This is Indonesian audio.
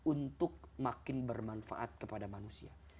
untuk makin bermanfaat kepada manusia